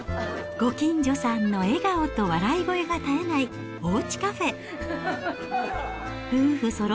ご近所さんの笑顔と笑い声が絶えないおうちカフェ。